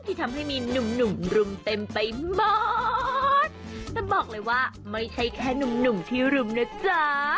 ที่ทำให้มีหนุ่มหนุ่มรุมเต็มไปหมดแต่บอกเลยว่าไม่ใช่แค่หนุ่มหนุ่มที่รุมนะจ๊ะ